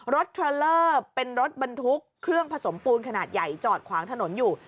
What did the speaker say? เทรลเลอร์เป็นรถบรรทุกเครื่องผสมปูนขนาดใหญ่จอดขวางถนนอยู่